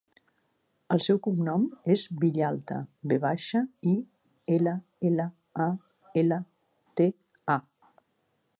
El seu cognom és Villalta: ve baixa, i, ela, ela, a, ela, te, a.